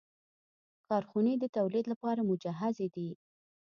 کارخونې د تولید لپاره مجهزې دي.